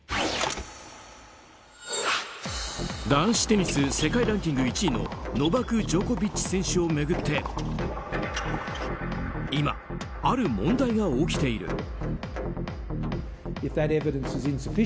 男子テニス世界ランキング１位のノバク・ジョコビッチ選手を巡って今、ある問題が起きている。